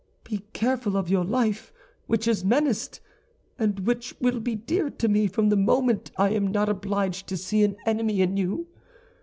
"Be careful of your life, which is menaced, and which will be dear to me from the moment I am not obliged to see an enemy in you.